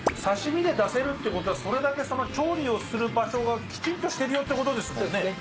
「刺身で出せる」っていうコトはそれだけその調理をする場所がきちんとしているよっていうコトですもんね？